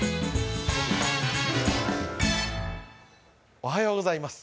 おはようございます。